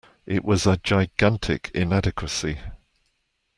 It was a gigantic inadequacy.